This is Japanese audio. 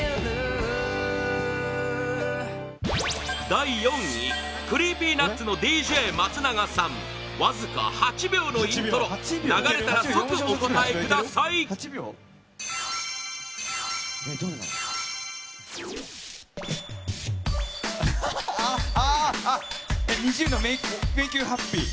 第４位ＣｒｅｅｐｙＮｕｔｓのＤＪ松永さんわずか８秒のイントロ流れたら即お答えくださいあー！